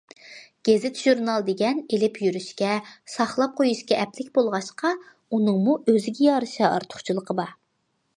گېزىت- ژۇرنال دېگەن ئېلىپ يۈرۈشكە، ساقلاپ قويۇشقا ئەپلىك بولغاچقا، ئۇنىڭمۇ ئۆزىگە يارىشا ئارتۇقچىلىقى بار.